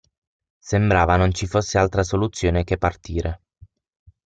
Sembrava non ci fosse altra soluzione che partire.